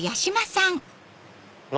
何？